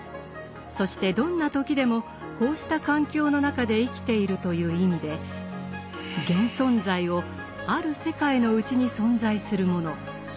そしてどんな時でもこうした環境の中で生きているという意味で現存在をある世界の内に存在するもの